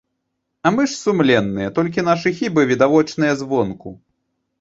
А мы ж сумленныя, толькі нашы хібы відавочныя звонку.